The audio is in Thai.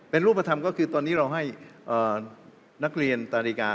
เป็นรูปธรรมก็คือตอนนี้เราให้นักเรียนนาฬิกา